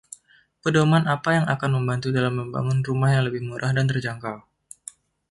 Pedoman apa yang akan membantu dalam membangun rumah yang lebih murah dan terjangkau?